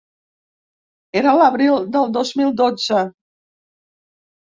Era l’abril del dos mil dotze.